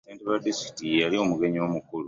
Ssentebe wa disitulikiti ye yali omugenyi omukulu.